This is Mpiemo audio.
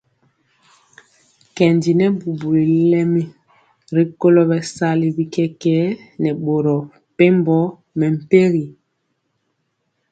Nkendi nɛ bubuli lɛmi rikolo bɛsali bi kɛkɛɛ nɛ boro mepempɔ mɛmpegi.